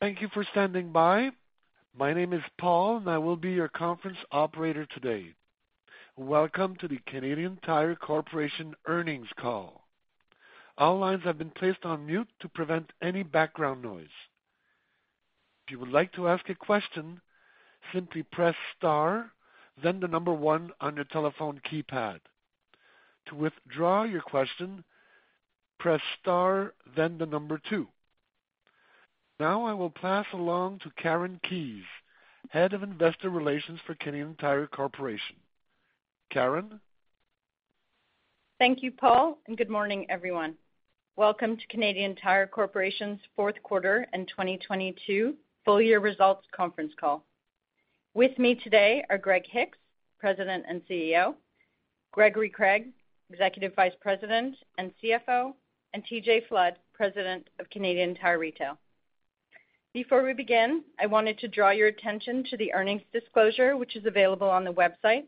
Thank you for standing by. My name is Paul. I will be your conference operator today. Welcome to the Canadian Tire Corporation earnings call. All lines have been placed on mute to prevent any background noise. If you would like to ask a question, simply press star, then the number one on your telephone keypad. To withdraw your question, press star, then the number two. Now I will pass along to Karen Keyes, head of investor relations for Canadian Tire Corporation. Karen. Thank you, Paul. Good morning, everyone. Welcome to Canadian Tire Corporation's fourth quarter and 2022 full year results conference call. With me today are Greg Hicks, President and CEO, Gregory Craig, Executive Vice President and CFO, and TJ Flood, President of Canadian Tire Retail. Before we begin, I wanted to draw your attention to the earnings disclosure, which is available on the website.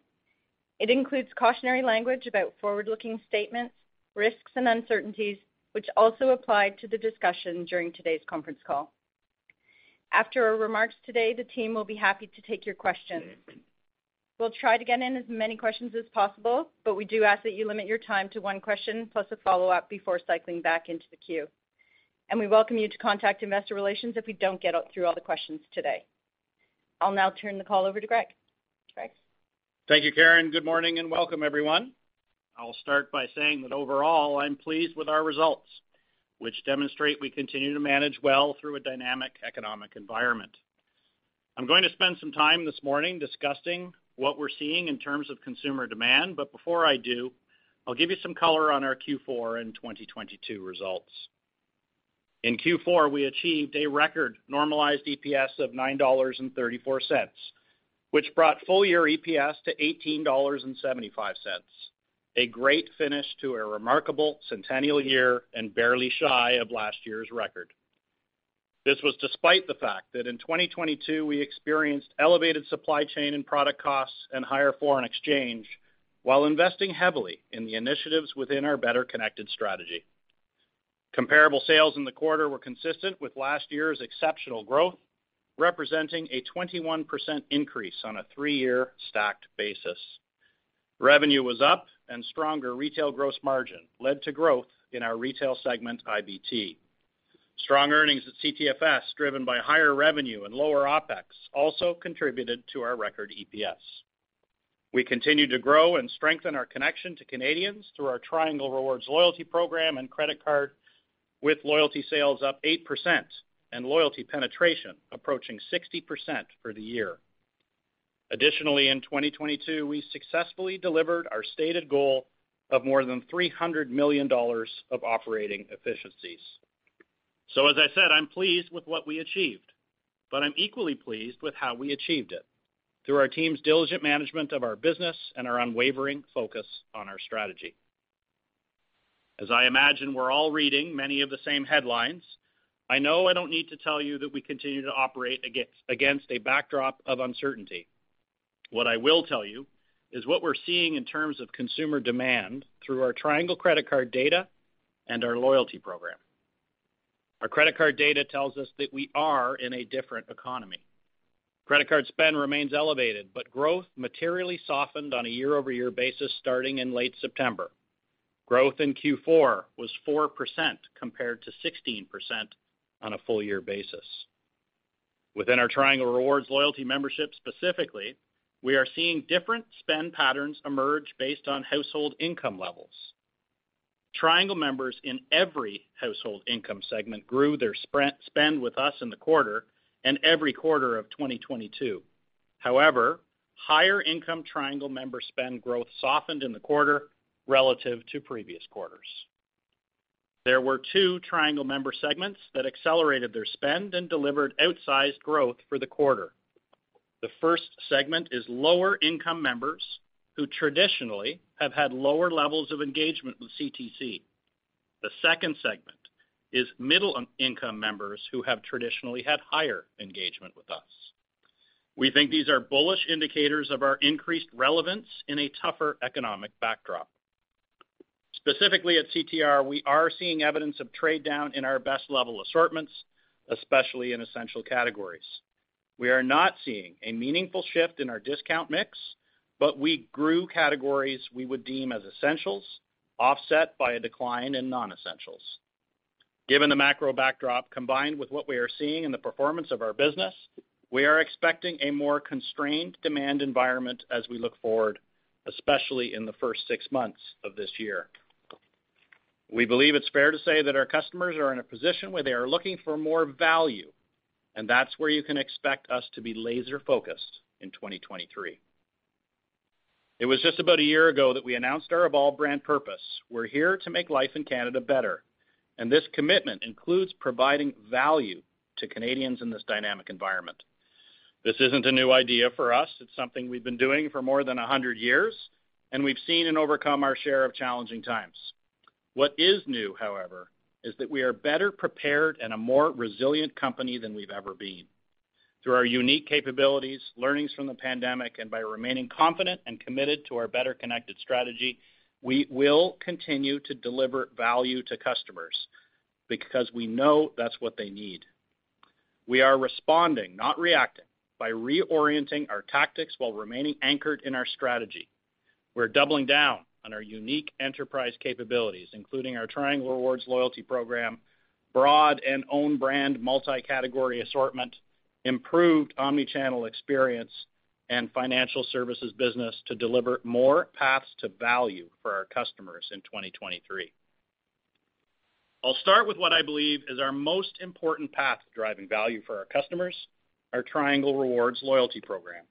It includes cautionary language about forward-looking statements, risks and uncertainties, which also apply to the discussion during today's conference call. After our remarks today, the team will be happy to take your questions. We'll try to get in as many questions as possible. We do ask that you limit your time to one question plus a follow-up before cycling back into the queue. We welcome you to contact investor relations if we don't get through all the questions today. I'll now turn the call over to Greg. Greg. Thank you, Karen. Good morning. Welcome, everyone. I'll start by saying that overall, I'm pleased with our results, which demonstrate we continue to manage well through a dynamic economic environment. I'm going to spend some time this morning discussing what we're seeing in terms of consumer demand. Before I do, I'll give you some color on our Q4 and 2022 results. In Q4, we achieved a record normalized EPS of 9.34 dollars, which brought full year EPS to 18.75 dollars. A great finish to a remarkable centennial year and barely shy of last year's record. This was despite the fact that in 2022 we experienced elevated supply chain and product costs and higher foreign exchange while investing heavily in the initiatives within our Better Connected strategy. Comparable sales in the quarter were consistent with last year's exceptional growth, representing a 21% increase on a three-year stacked basis. Revenue was up and stronger retail gross margin led to growth in our retail segment, IBT. Strong earnings at CTFS, driven by higher revenue and lower OpEx, also contributed to our record EPS. We continued to grow and strengthen our connection to Canadians through our Triangle Rewards loyalty program and credit card, with loyalty sales up 8% and loyalty penetration approaching 60% for the year. In 2022, we successfully delivered our stated goal of more than $300 million of operating efficiencies. As I said, I'm pleased with what we achieved, but I'm equally pleased with how we achieved it through our team's diligent management of our business and our unwavering focus on our strategy. As I imagine we're all reading many of the same headlines, I know I don't need to tell you that we continue to operate against a backdrop of uncertainty. What I will tell you is what we're seeing in terms of consumer demand through our Triangle credit card data and our loyalty program. Our credit card data tells us that we are in a different economy. Credit card spend remains elevated, but growth materially softened on a year-over-year basis starting in late September. Growth in Q4 was 4% compared to 16% on a full year basis. Within our Triangle Rewards loyalty membership specifically, we are seeing different spend patterns emerge based on household income levels. Triangle members in every household income segment grew their spend with us in the quarter and every quarter of 2022. Higher income Triangle member spend growth softened in the quarter relative to previous quarters. There were two Triangle member segments that accelerated their spend and delivered outsized growth for the quarter. The first segment is lower-income members who traditionally have had lower levels of engagement with CTC. The second segment is middle-income members who have traditionally had higher engagement with us. We think these are bullish indicators of our increased relevance in a tougher economic backdrop. Specifically at CTR, we are seeing evidence of trade down in our best level assortments, especially in essential categories. We are not seeing a meaningful shift in our discount mix, we grew categories we would deem as essentials, offset by a decline in non-essentials. Given the macro backdrop, combined with what we are seeing in the performance of our business, we are expecting a more constrained demand environment as we look forward, especially in the first six months of this year. We believe it's fair to say that our customers are in a position where they are looking for more value, That's where you can expect us to be laser-focused in 2023. It was just about a year ago that we announced our evolved brand purpose. We're here to make life in Canada better, This commitment includes providing value to Canadians in this dynamic environment. This isn't a new idea for us. It's something we've been doing for more than 100 years, We've seen and overcome our share of challenging times. What is new, however, is that we are better prepared and a more resilient company than we've ever been. Through our unique capabilities, learnings from the pandemic, and by remaining confident and committed to our Better Connected strategy, we will continue to deliver value to customers because we know that's what they need. We are responding, not reacting, by reorienting our tactics while remaining anchored in our strategy. We're doubling down on our unique enterprise capabilities, including our Triangle Rewards loyalty program, broad and own brand multi-category assortment, improved omnichannel experience and financial services business to deliver more paths to value for our customers in 2023. I'll start with what I believe is our most important path to driving value for our customers, our Triangle Rewards loyalty program.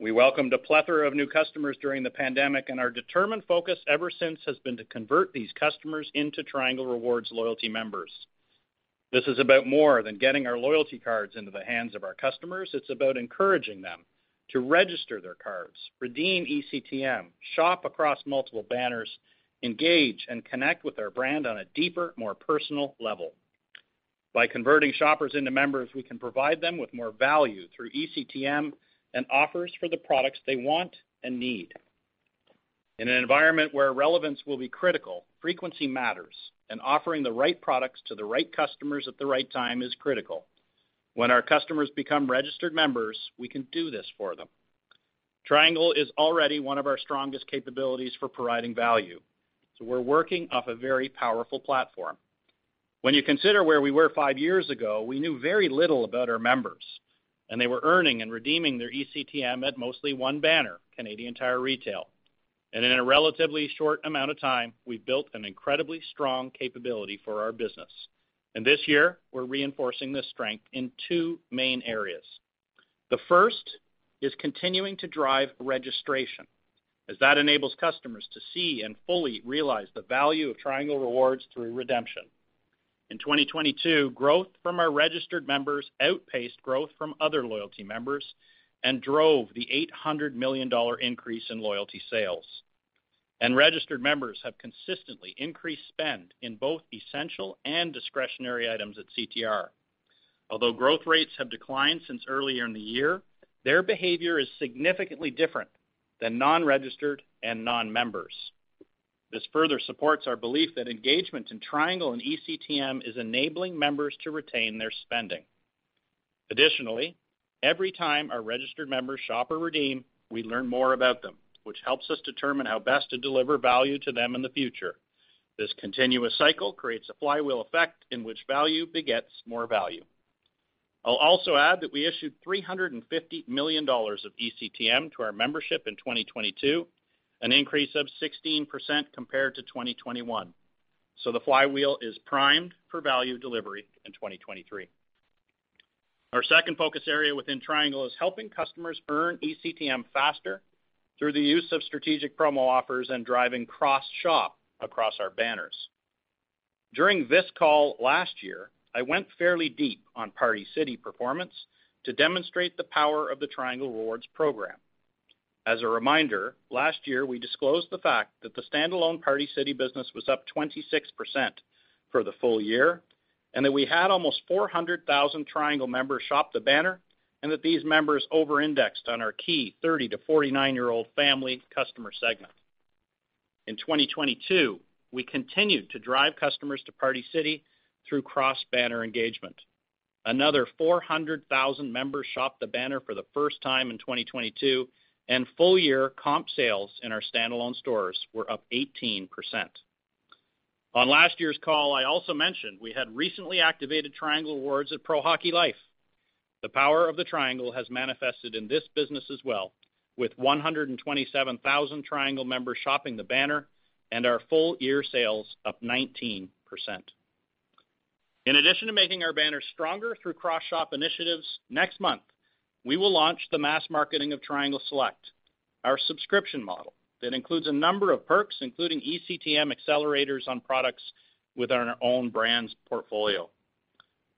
We welcomed a plethora of new customers during the pandemic, and our determined focus ever since has been to convert these customers into Triangle Rewards loyalty members. This is about more than getting our loyalty cards into the hands of our customers. It's about encouraging them to register their cards, redeem eCTM, shop across multiple banners, engage and connect with our brand on a deeper, more personal level. By converting shoppers into members, we can provide them with more value through eCTM and offers for the products they want and need. In an environment where relevance will be critical, frequency matters and offering the right products to the right customers at the right time is critical. When our customers become registered members, we can do this for them. Triangle is already one of our strongest capabilities for providing value, so we're working off a very powerful platform. When you consider where we were five years ago, we knew very little about our members, they were earning and redeeming their eCTM at mostly one banner, Canadian Tire Retail. In a relatively short amount of time, we've built an incredibly strong capability for our business. This year, we're reinforcing this strength in two main areas. The first is continuing to drive registration as that enables customers to see and fully realize the value of Triangle Rewards through redemption. In 2022, growth from our registered members outpaced growth from other loyalty members and drove the 800 million dollar increase in loyalty sales. Registered members have consistently increased spend in both essential and discretionary items at CTR. Although growth rates have declined since earlier in the year, their behavior is significantly different than non-registered and non-members. This further supports our belief that engagement in Triangle and eCTM is enabling members to retain their spending. Additionally, every time our registered members shop or redeem, we learn more about them, which helps us determine how best to deliver value to them in the future. This continuous cycle creates a flywheel effect in which value begets more value. I'll also add that we issued 350 million dollars of eCTM to our membership in 2022, an increase of 16% compared to 2021. The flywheel is primed for value delivery in 2023. Our second focus area within Triangle is helping customers earn eCTM faster through the use of strategic promo offers and driving cross-shop across our banners. During this call last year, I went fairly deep on Party City performance to demonstrate the power of the Triangle Rewards program. As a reminder, last year we disclosed the fact that the standalone Party City business was up 26% for the full year, and that we had almost 400,000 Triangle members shop the banner, and that these members over-indexed on our key 30-49-year-old family customer segment. In 2022, we continued to drive customers to Party City through cross-banner engagement. Another 400,000 members shopped the banner for the first time in 2022. Full year comparable sales in our standalone stores were up 18%. On last year's call, I also mentioned we had recently activated Triangle Rewards at Pro Hockey Life. The power of the Triangle has manifested in this business as well, with 127,000 Triangle members shopping the banner and our full year sales up 19%. In addition to making our banners stronger through cross-shop initiatives, next month we will launch the mass marketing of Triangle Select, our subscription model that includes a number of perks, including eCTM accelerators on products within our own brands portfolio.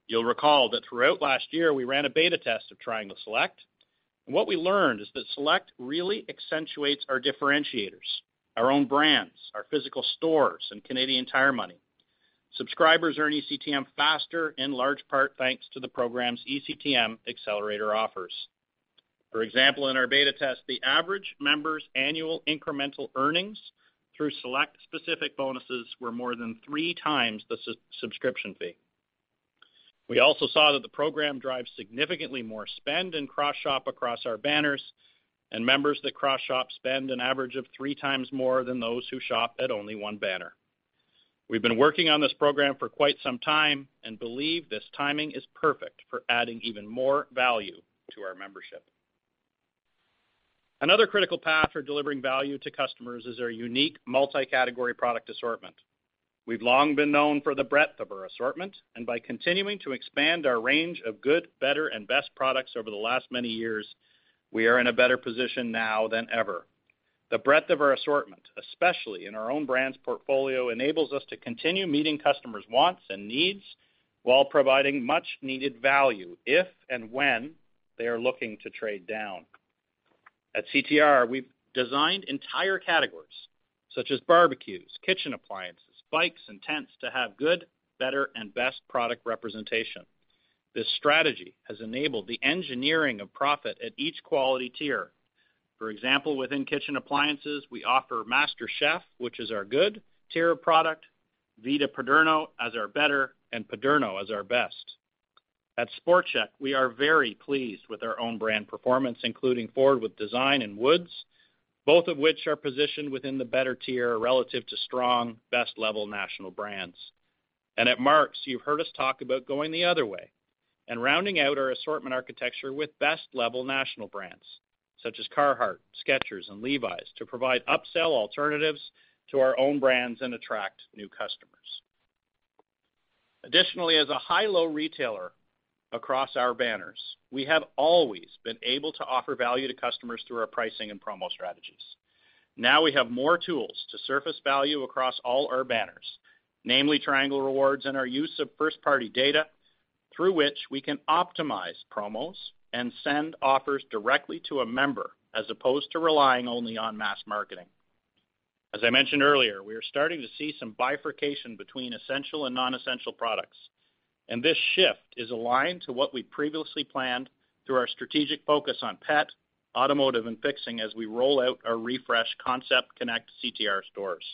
You'll recall that throughout last year, we ran a beta test of Triangle Select. What we learned is that Select really accentuates our differentiators, our own brands, our physical stores, and Canadian Tire money. Subscribers earn eCTM faster, in large part thanks to the program's eCTM accelerator offers. For example, in our beta test, the average member's annual incremental earnings through Select specific bonuses were more than three times the subscription fee. We also saw that the program drives significantly more spend and cross-shop across our banners. Members that cross-shop spend an average of 3 times more than those who shop at only one banner. We've been working on this program for quite some time and believe this timing is perfect for adding even more value to our membership. Another critical path for delivering value to customers is our unique multi-category product assortment. We've long been known for the breadth of our assortment, and by continuing to expand our range of good, better, and best products over the last many years, we are in a better position now than ever. The breadth of our assortment, especially in our own brands portfolio, enables us to continue meeting customers' wants and needs while providing much needed value if and when they are looking to trade down. At CTR, we've designed entire categories, such as barbecues, kitchen appliances, bikes, and tents to have good, better, and best product representation. This strategy has enabled the engineering of profit at each quality tier. For example, within kitchen appliances, we offer MASTER Chef, which is our good tier product, Vida by PADERNO as our better, and PADERNO as our best. At SportChek, we are very pleased with our own brand performance, including Forward With Design and Woods, both of which are positioned within the better tier relative to strong best-level national brands. At Mark's, you've heard us talk about going the other way and rounding out our assortment architecture with best-level national brands such as Carhartt, Skechers, and Levi's to provide upsell alternatives to our own brands and attract new customers. As a high-low retailer across our banners, we have always been able to offer value to customers through our pricing and promo strategies. Now we have more tools to surface value across all our banners, namely Triangle Rewards and our use of first-party data, through which we can optimize promos and send offers directly to a member as opposed to relying only on mass marketing. As I mentioned earlier, we are starting to see some bifurcation between essential and non-essential products, and this shift is aligned to what we previously planned through our strategic focus on pet, automotive, and fixing as we roll out our refresh Concept Connect CTR stores.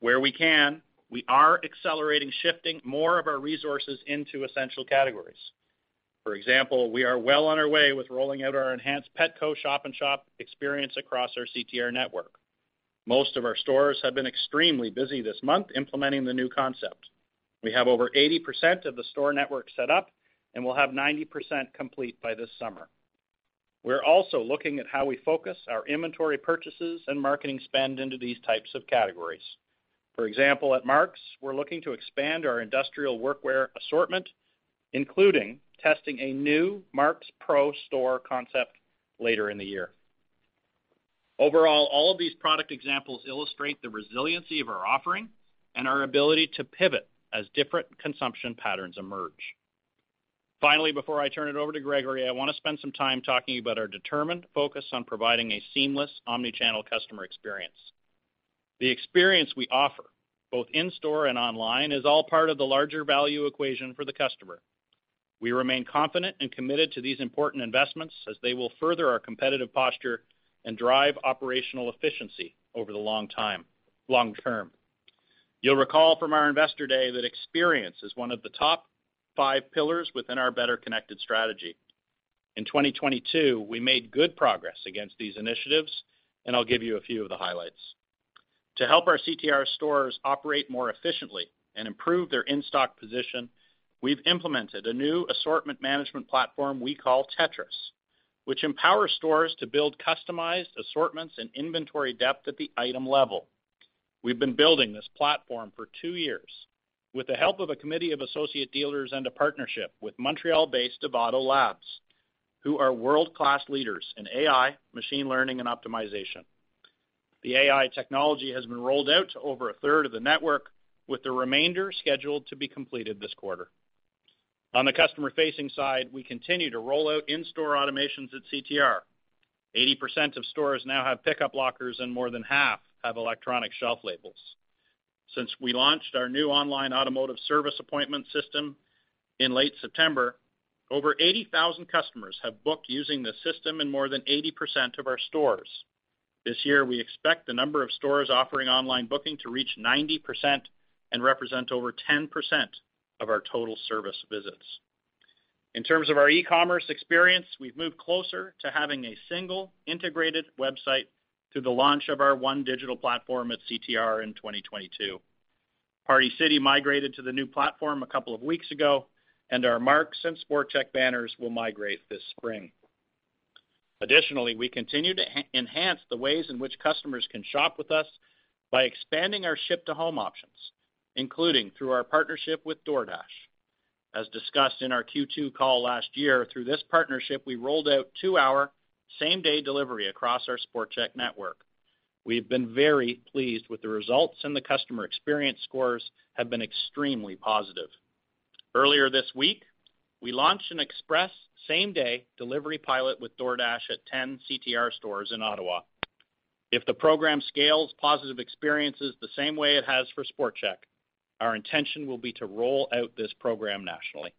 Where we can, we are accelerating shifting more of our resources into essential categories. For example, we are well on our way with rolling out our enhanced Petco shop-and-shop experience across our CTR network. Most of our stores have been extremely busy this month implementing the new concept. We have over 80% of the store network set up, and we'll have 90% complete by this summer. We're also looking at how we focus our inventory purchases and marketing spend into these types of categories. For example, at Mark's, we're looking to expand our industrial workwear assortment, including testing a new Mark's Pro store concept later in the year. Overall, all of these product examples illustrate the resiliency of our offering and our ability to pivot as different consumption patterns emerge. Before I turn it over to Gregory, I wanna spend some time talking about our determined focus on providing a seamless omnichannel customer experience. The experience we offer, both in store and online, is all part of the larger value equation for the customer. We remain confident and committed to these important investments as they will further our competitive posture and drive operational efficiency over the long term. You'll recall from our Investor Day that experience is one of the top five pillars within our Better Connected strategy. In 2022, we made good progress against these initiatives, and I'll give you a few of the highlights. To help our CTR stores operate more efficiently and improve their in-stock position, we've implemented a new assortment management platform we call Tetris, which empowers stores to build customized assortments and inventory depth at the item level. We've been building this platform for two years with the help of a committee of associate dealers and a partnership with Montreal-based IVADO Labs, who are world-class leaders in AI, machine learning, and optimization. The AI technology has been rolled out to over a third of the network, with the remainder scheduled to be completed this quarter. On the customer-facing side, we continue to roll out in-store automations at CTR. 80% of stores now have pickup lockers, and more than half have electronic shelf labels. Since we launched our new online automotive service appointment system in late September, over 80,000 customers have booked using the system in more than 80% of our stores. This year, we expect the number of stores offering online booking to reach 90% and represent over 10% of our total service visits. In terms of our e-commerce experience, we've moved closer to having a single integrated website through the launch of our One Digital Platform at CTR in 2022. Party City migrated to the new platform a couple of weeks ago, and our Mark's and Sport Chek banners will migrate this spring. Additionally, we continue to enhance the ways in which customers can shop with us by expanding our ship-to-home options, including through our partnership with DoorDash. As discussed in our Q2 call last year, through this partnership, we rolled out two-hour same-day delivery across our Sport Chek network. We have been very pleased with the results, and the customer experience scores have been extremely positive. Earlier this week, we launched an express same-day delivery pilot with DoorDash at 10 CTR stores in Ottawa. If the program scales positive experiences the same way it has for Sport Chek, our intention will be to roll out this program nationally.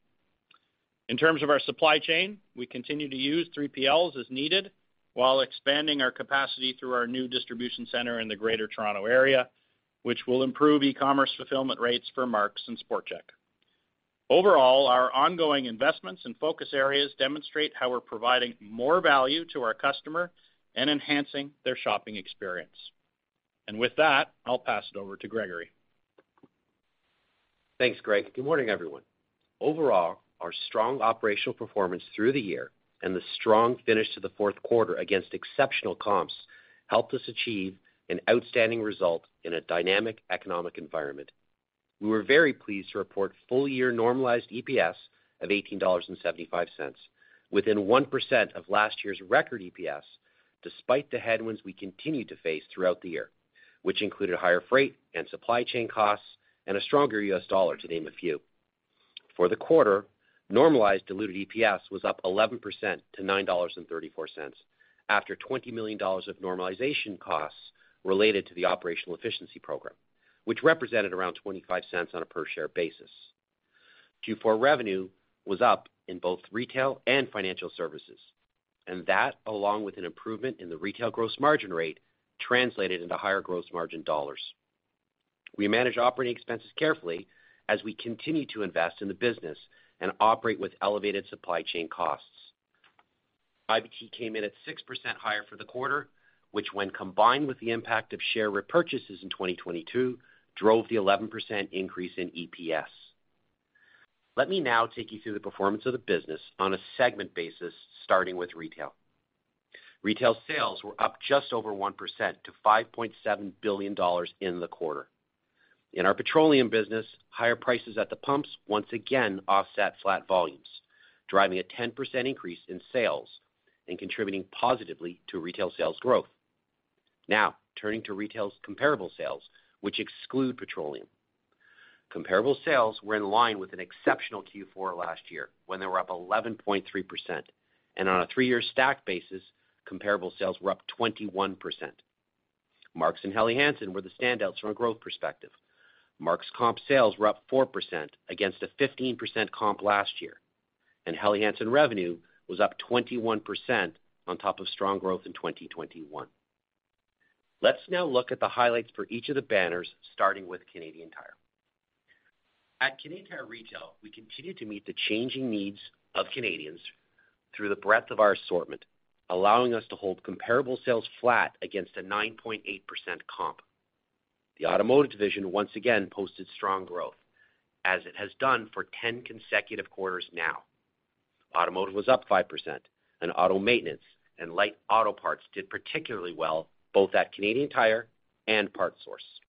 In terms of our supply chain, we continue to use 3PLs as needed while expanding our capacity through our new distribution center in the Greater Toronto Area, which will improve e-commerce fulfillment rates for Mark's and Sport Chek. Overall, our ongoing investments and focus areas demonstrate how we're providing more value to our customer and enhancing their shopping experience. With that, I'll pass it over to Gregory. Thanks, Greg. Good morning, everyone. Overall, our strong operational performance through the year and the strong finish to the fourth quarter against exceptional comps helped us achieve an outstanding result in a dynamic economic environment. We were very pleased to report full-year normalized EPS of 18.75 dollars, within 1% of last year's record EPS, despite the headwinds we continued to face throughout the year, which included higher freight and supply chain costs and a stronger US dollar, to name a few. For the quarter, normalized diluted EPS was up 11% to 9.34 dollars after 20 million dollars of normalization costs related to the operational efficiency program, which represented around 0.25 on a per share basis. Q4 revenue was up in both retail and Financial Services, that, along with an improvement in the retail gross margin rate, translated into higher gross margin dollars. We manage operating expenses carefully as we continue to invest in the business and operate with elevated supply chain costs. IBT came in at 6% higher for the quarter, which when combined with the impact of share repurchases in 2022, drove the 11% increase in EPS. Let me now take you through the performance of the business on a segment basis, starting with Retail. Retail sales were up just over 1% to $5.7 billion in the quarter. In our petroleum business, higher prices at the pumps once again offset flat volumes, driving a 10% increase in sales and contributing positively to retail sales growth. Turning to Retail's comparable sales, which exclude petroleum. Comparable sales were in line with an exceptional Q4 last year when they were up 11.3%. On a three-year stacked basis, comparable sales were up 21%. Mark's and Helly Hansen were the standouts from a growth perspective. Mark's comp sales were up 4% against a 15% comp last year, and Helly Hansen revenue was up 21% on top of strong growth in 2021. Let's now look at the highlights for each of the banners, starting with Canadian Tire. At Canadian Tire Retail, we continued to meet the changing needs of Canadians through the breadth of our assortment, allowing us to hold comparable sales flat against a 9.8% comp. The automotive division once again posted strong growth, as it has done for 10 consecutive quarters now. Automotive was up 5%, and auto maintenance and light auto parts did particularly well, both at Canadian Tire and PartSource.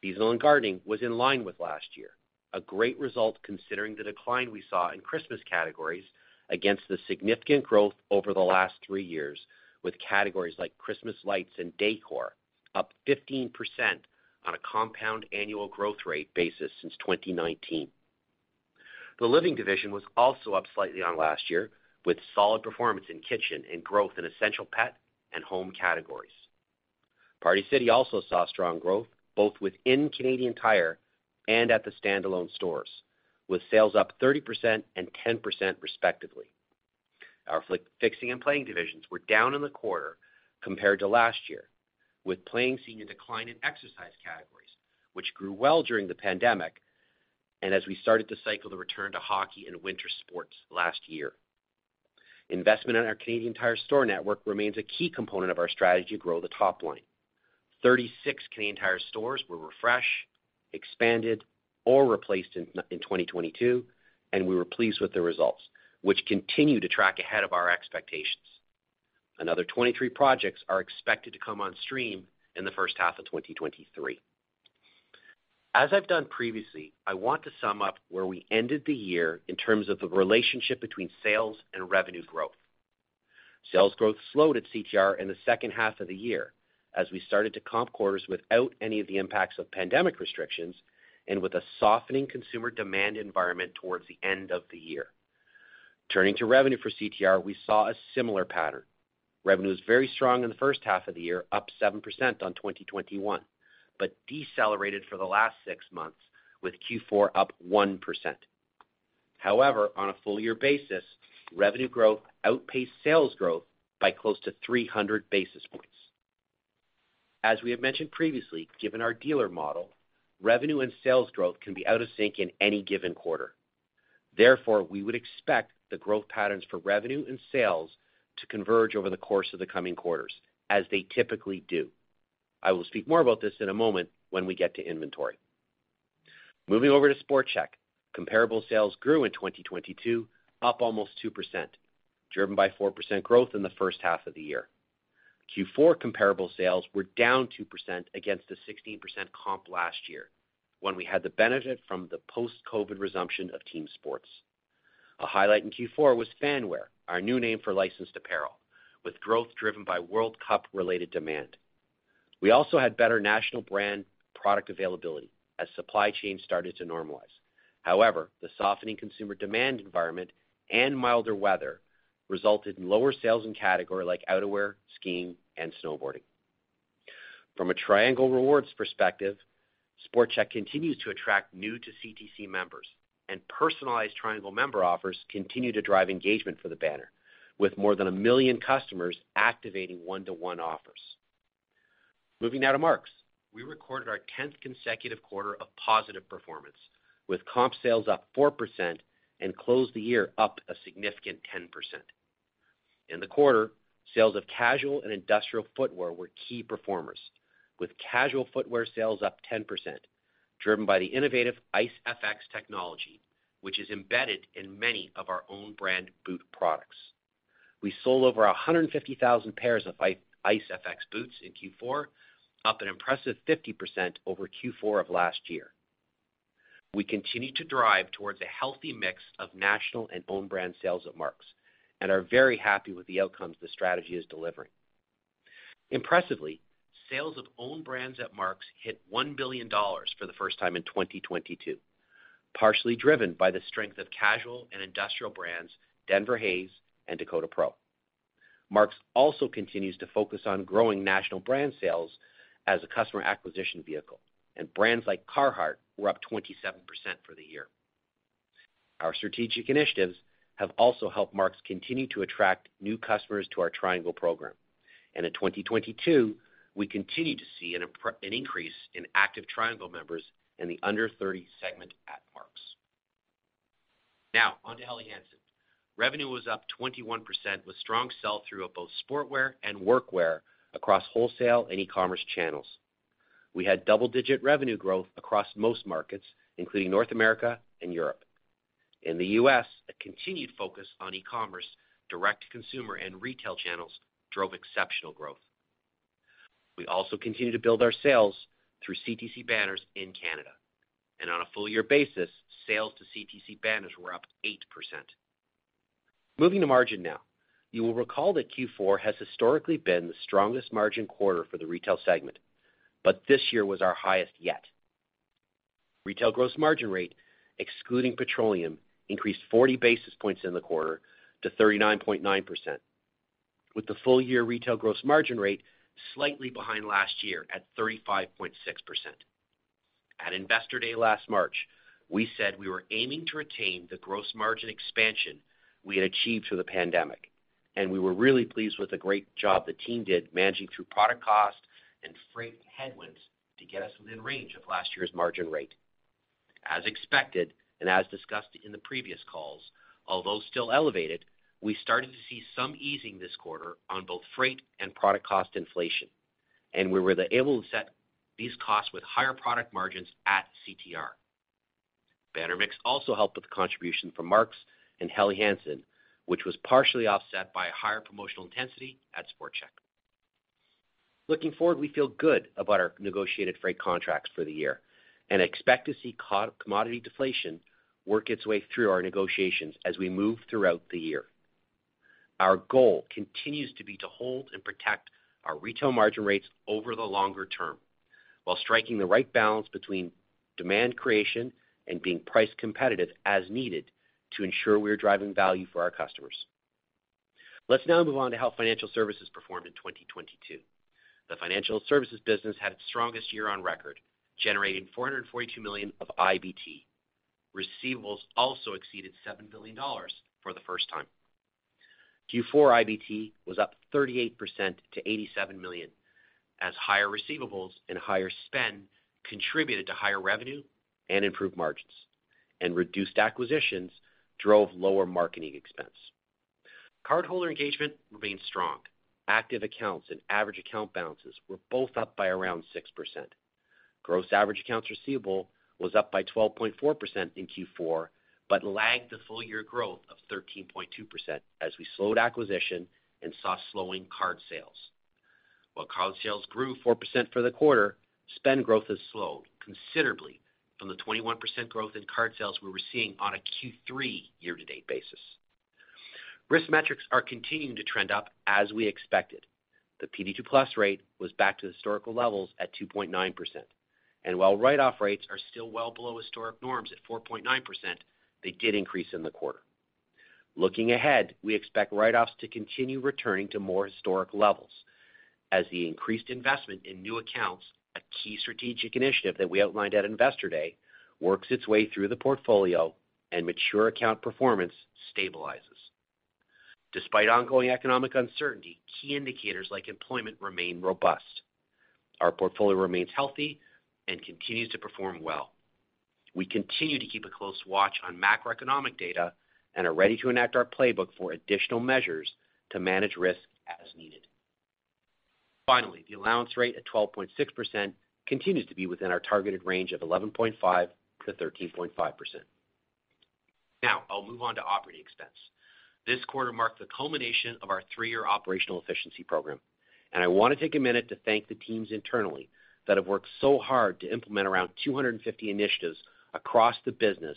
Seasonal and gardening was in line with last year, a great result considering the decline we saw in Christmas categories against the significant growth over the last 3 years, with categories like Christmas lights and decor up 15% on a compound annual growth rate basis since 2019. The living division was also up slightly on last year, with solid performance in kitchen and growth in essential pet and home categories. Party City also saw strong growth, both within Canadian Tire and at the standalone stores, with sales up 30% and 10%, respectively. Our fixing and playing divisions were down in the quarter compared to last year, with playing seeing a decline in exercise categories, which grew well during the pandemic, as we started to cycle the return to hockey and winter sports last year. Investment in our Canadian Tire store network remains a key component of our strategy to grow the top line. 36 Canadian Tire stores were refreshed, expanded, or replaced in 2022, we were pleased with the results, which continue to track ahead of our expectations. Another 23 projects are expected to come on stream in the first half of 2023. As I've done previously, I want to sum up where we ended the year in terms of the relationship between sales and revenue growth. Sales growth slowed at CTR in the second half of the year as we started to comp quarters without any of the impacts of pandemic restrictions and with a softening consumer demand environment towards the end of the year. Turning to revenue for CTR, we saw a similar pattern. Revenue was very strong in the first half of the year, up 7% on 2021, but decelerated for the last six months, with Q4 up 1%. However, on a full year basis, revenue growth outpaced sales growth by close to 300 basis points. As we have mentioned previously, given our dealer model, revenue and sales growth can be out of sync in any given quarter. Therefore, we would expect the growth patterns for revenue and sales to converge over the course of the coming quarters, as they typically do. I will speak more about this in a moment when we get to inventory. Moving over to Sport Chek. Comparable sales grew in 2022, up almost 2%, driven by 4% growth in the first half of the year. Q4 comparable sales were down 2% against a 16% comp last year when we had the benefit from the post-COVID resumption of team sports. A highlight in Q4 was fanware, our new name for licensed apparel, with growth driven by World Cup-related demand. We also had better national brand product availability as supply chain started to normalize. The softening consumer demand environment and milder weather resulted in lower sales in category like outerwear, skiing, and snowboarding. From a Triangle Rewards perspective, Sport Chek continues to attract new to CTC members, and personalized Triangle member offers continue to drive engagement for the banner, with more than 1 million customers activating one-to-one offers. Moving now to Mark's. We recorded our 10th consecutive quarter of positive performance, with comp sales up 4% and closed the year up a significant 10%. In the quarter, sales of casual and industrial footwear were key performers, with casual footwear sales up 10%, driven by the innovative ICEFX technology, which is embedded in many of our own brand boot products. We sold over 150,000 pairs of ICEFX boots in Q4, up an impressive 50% over Q4 of last year. We continue to drive towards a healthy mix of national and own brand sales at Mark's and are very happy with the outcomes the strategy is delivering. Impressively, sales of own brands at Mark's hit $1 billion for the first time in 2022, partially driven by the strength of casual and industrial brands Denver Hayes and Dakota Pro. Mark's also continues to focus on growing national brand sales as a customer acquisition vehicle, and brands like Carhartt were up 27% for the year. Our strategic initiatives have also helped Mark's continue to attract new customers to our Triangle program. In 2022, we continue to see an increase in active Triangle members in the under 30 segment at Mark's. On to Helly Hansen. Revenue was up 21% with strong sell-through of both sportswear and workwear across wholesale and e-commerce channels. We had double-digit revenue growth across most markets, including North America and Europe. In the U.S., a continued focus on e-commerce, direct-to-consumer, and retail channels drove exceptional growth. We also continue to build our sales through CTC banners in Canada, and on a full-year basis, sales to CTC banners were up 8%. Moving to margin now. You will recall that Q4 has historically been the strongest margin quarter for the retail segment, but this year was our highest yet. Retail gross margin rate, excluding petroleum, increased 40 basis points in the quarter to 39.9%, with the full-year retail gross margin rate slightly behind last year at 35.6%. At Investor Day last March, we said we were aiming to retain the gross margin expansion we had achieved through the pandemic. We were really pleased with the great job the team did managing through product cost and freight headwinds to get us within range of last year's margin rate. As expected and as discussed in the previous calls, although still elevated, we started to see some easing this quarter on both freight and product cost inflation. We were able to set these costs with higher product margins at CTR. Banner Mix also helped with the contribution from Mark's and Helly Hansen, which was partially offset by a higher promotional intensity at Sport Chek. Looking forward, we feel good about our negotiated freight contracts for the year and expect to see commodity deflation work its way through our negotiations as we move throughout the year. Our goal continues to be to hold and protect our retail margin rates over the longer term while striking the right balance between demand creation and being price competitive as needed to ensure we are driving value for our customers. Let's now move on to how financial services performed in 2022. The financial services business had its strongest year on record, generating 442 million of IBT. Receivables also exceeded 7 billion dollars for the first time. Q4 IBT was up 38% to 87 million, as higher receivables and higher spend contributed to higher revenue and improved margins, and reduced acquisitions drove lower marketing expense. Cardholder engagement remained strong. Active accounts and average account balances were both up by around 6%. Gross average accounts receivable was up by 12.4% in Q4, lagged the full-year growth of 13.2% as we slowed acquisition and saw slowing card sales. While card sales grew 4% for the quarter, spend growth has slowed considerably from the 21% growth in card sales we were seeing on a Q3 year-to-date basis. Risk metrics are continuing to trend up as we expected. The PD 2+ rate was back to historical levels at 2.9%. While write-off rates are still well below historic norms at 4.9%, they did increase in the quarter. Looking ahead, we expect write-offs to continue returning to more historic levels as the increased investment in new accounts, a key strategic initiative that we outlined at Investor Day, works its way through the portfolio and mature account performance stabilizes. Despite ongoing economic uncertainty, key indicators like employment remain robust. Our portfolio remains healthy and continues to perform well. We continue to keep a close watch on macroeconomic data and are ready to enact our playbook for additional measures to manage risk as needed. Finally, the allowance rate at 12.6% continues to be within our targeted range of 11.5%-13.5%. Now, I'll move on to operating expense. This quarter marked the culmination of our three-year operational efficiency program. I wanna take a minute to thank the teams internally that have worked so hard to implement around 250 initiatives across the business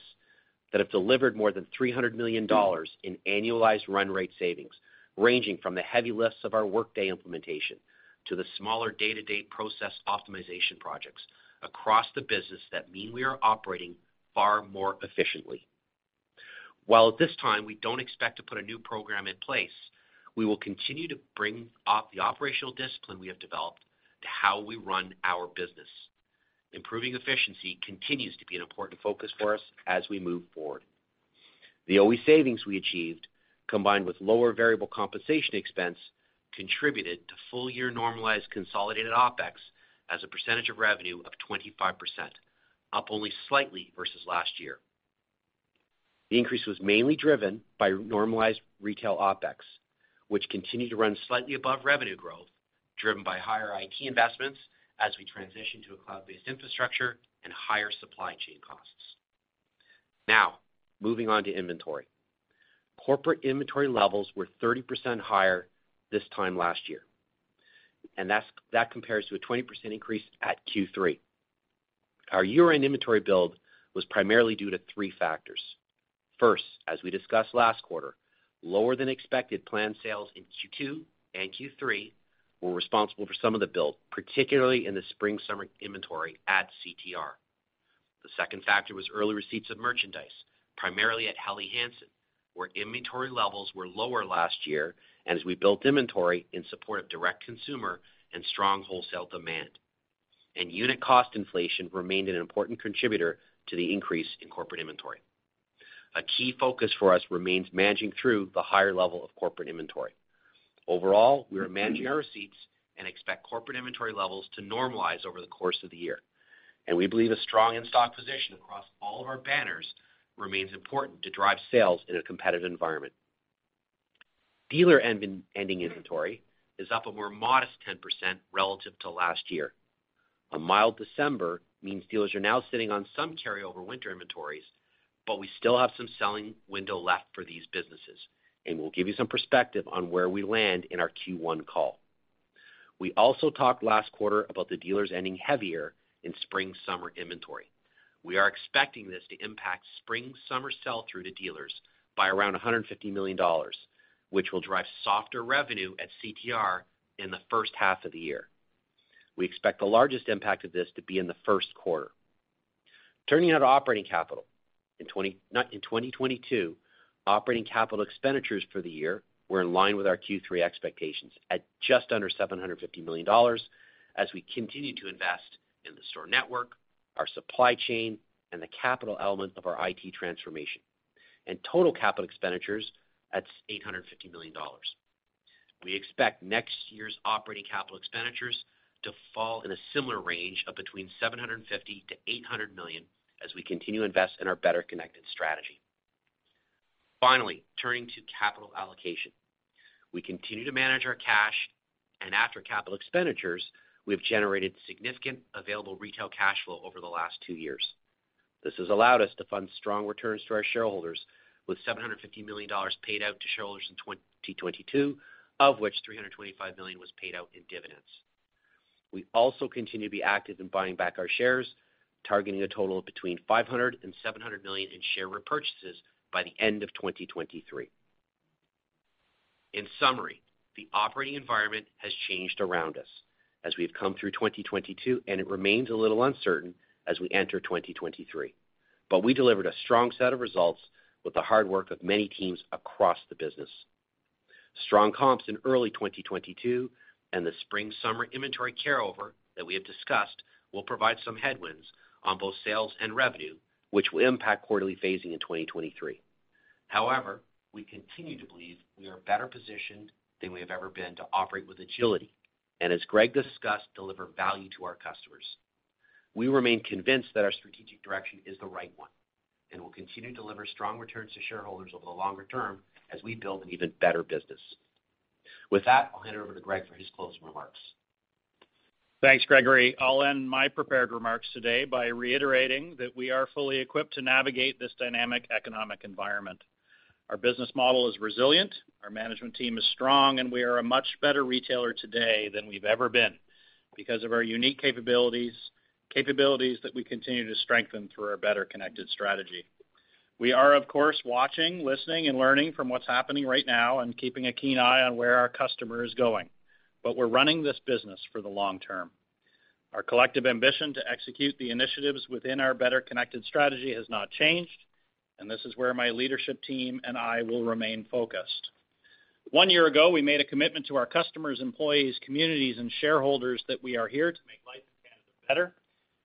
that have delivered more than 300 million dollars in annualized run rate savings, ranging from the heavy lifts of our Workday implementation to the smaller day-to-day process optimization projects across the business that mean we are operating far more efficiently. While at this time, we don't expect to put a new program in place, we will continue to bring the operational discipline we have developed to how we run our business. Improving efficiency continues to be an important focus for us as we move forward. The OE savings we achieved, combined with lower variable compensation expense, contributed to full-year normalized consolidated OpEx as a percentage of revenue of 25%, up only slightly versus last year. The increase was mainly driven by normalized retail OpEx, which continued to run slightly above revenue growth, driven by higher IT investments as we transition to a cloud-based infrastructure and higher supply chain costs. Moving on to inventory. Corporate inventory levels were 30% higher this time last year, and that compares to a 20% increase at Q3. Our year-end inventory build was primarily due to three factors. First, as we discussed last quarter, lower than expected planned sales in Q2 and Q3 were responsible for some of the build, particularly in the spring-summer inventory at CTR. The second factor was early receipts of merchandise, primarily at Helly Hansen, where inventory levels were lower last year and as we built inventory in support of direct consumer and strong wholesale demand. Unit cost inflation remained an important contributor to the increase in corporate inventory. A key focus for us remains managing through the higher level of corporate inventory. Overall, we are managing our receipts and expect corporate inventory levels to normalize over the course of the year. We believe a strong in-stock position across all of our banners remains important to drive sales in a competitive environment. Dealer end-ending inventory is up a more modest 10% relative to last year. A mild December means dealers are now sitting on some carryover winter inventories. We still have some selling window left for these businesses, and we'll give you some perspective on where we land in our Q1 call. We also talked last quarter about the dealers ending heavier in spring-summer inventory. We are expecting this to impact spring-summer sell-through to dealers by around 150 million dollars, which will drive softer revenue at CTR in the first half of the year. We expect the largest impact of this to be in the first quarter. Turning now to operating capital. In 2022, operating capital expenditures for the year were in line with our Q3 expectations at just under 750 million dollars as we continue to invest in the store network, our supply chain, and the capital element of our IT transformation. Total capital expenditures, that's 850 million dollars. We expect next year's operating capital expenditures to fall in a similar range of between 750 million to 800 million as we continue to invest in our Better Connected strategy. Finally, turning to capital allocation. We continue to manage our cash, after capital expenditures, we've generated significant available retail cash flow over the last two years. This has allowed us to fund strong returns to our shareholders with 750 million dollars paid out to shareholders in 2022, of which 325 million was paid out in dividends. We also continue to be active in buying back our shares, targeting a total of between 500 million and 700 million in share repurchases by the end of 2023. In summary, the operating environment has changed around us as we've come through 2022, and it remains a little uncertain as we enter 2023. We delivered a strong set of results with the hard work of many teams across the business. Strong comps in early 2022 and the spring-summer inventory carryover that we have discussed will provide some headwinds on both sales and revenue, which will impact quarterly phasing in 2023. We continue to believe we are better positioned than we have ever been to operate with agility, and as Greg discussed, deliver value to our customers. We remain convinced that our strategic direction is the right one, and we'll continue to deliver strong returns to shareholders over the longer term as we build an even better business. With that, I'll hand it over to Greg for his closing remarks. Thanks, Gregory. I'll end my prepared remarks today by reiterating that we are fully equipped to navigate this dynamic economic environment. Our business model is resilient, our management team is strong, and we are a much better retailer today than we've ever been because of our unique capabilities that we continue to strengthen through our Better Connected strategy. We are, of course, watching, listening, and learning from what's happening right now and keeping a keen eye on where our customer is going. But we're running this business for the long term. Our collective ambition to execute the initiatives within our Better Connected strategy has not changed, and this is where my leadership team and I will remain focused. One year ago, we made a commitment to our customers, employees, communities, and shareholders that we are here to make life in Canada better,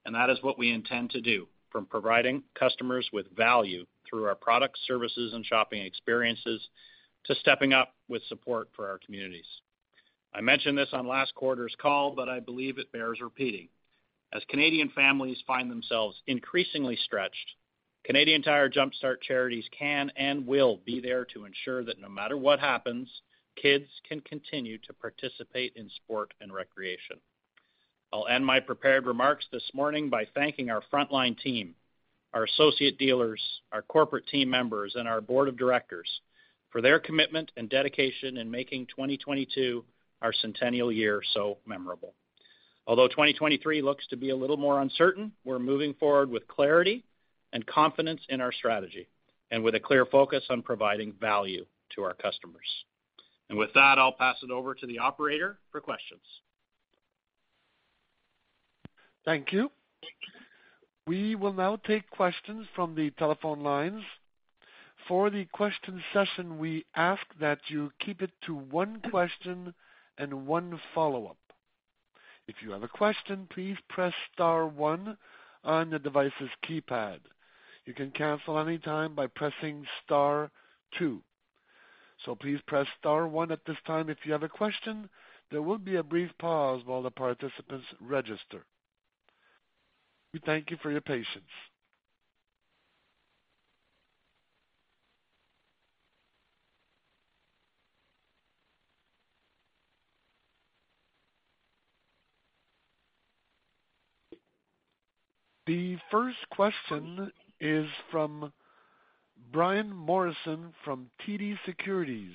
and that is what we intend to do, from providing customers with value through our products, services, and shopping experiences, to stepping up with support for our communities. I mentioned this on last quarter's call, but I believe it bears repeating. As Canadian families find themselves increasingly stretched, Canadian Tire Jumpstart Charities can and will be there to ensure that no matter what happens, kids can continue to participate in sport and recreation. I'll end my prepared remarks this morning by thanking our frontline team, our associate dealers, our corporate team members, and our board of directors for their commitment and dedication in making 2022, our centennial year, so memorable. Although 2023 looks to be a little more uncertain, we're moving forward with clarity and confidence in our strategy and with a clear focus on providing value to our customers. With that, I'll pass it over to the operator for questions. Thank you. We will now take questions from the telephone lines. For the question session, we ask that you keep it to one question and one follow-up. If you have a question, please press star 1 on the device's keypad. You can cancel anytime by pressing star 2. Please press star 1 at this time if you have a question. There will be a brief pause while the participants register. We thank you for your patience. The first question is from Brian Morrison from TD Securities.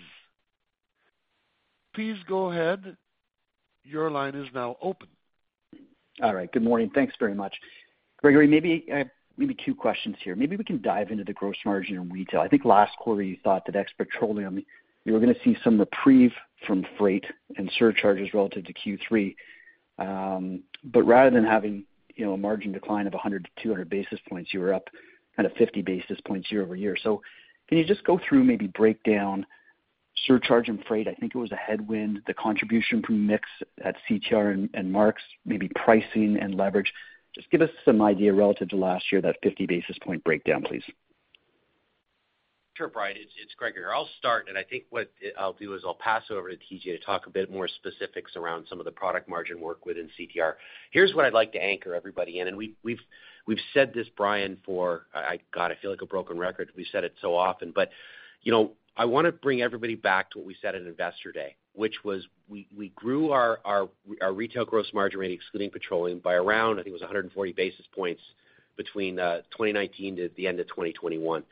Please go ahead. Your line is now open. All right. Good morning. Thanks very much. Gregory, maybe two questions here. Maybe we can dive into the gross margin in retail. I think last quarter you thought that ex petroleum, you were gonna see some reprieve from freight and surcharges relative to Q3. Rather than having, you know, a margin decline of 100-200 basis points, you were up kind of 50 basis points year-over-year. Can you just go through, maybe break down surcharge and freight? I think it was a headwind, the contribution from mix at CTR and Mark's, maybe pricing and leverage. Just give us some idea relative to last year, that 50 basis point breakdown, please. Sure, Brian. It's Gregory here. I'll start. I think what I'll do is I'll pass it over to TJ to talk a bit more specifics around some of the product margin work within CTR. Here's what I'd like to anchor everybody in. We've said this, Brian, for... God, I feel like a broken record. We've said it so often. You know, I wanna bring everybody back to what we said at Investor Day, which was we grew our retail gross margin rate, excluding petroleum, by around, I think it was 140 basis points between 2019 to the end of 2021.